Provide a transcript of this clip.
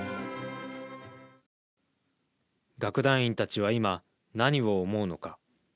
楽団員たちは今何を思うのか。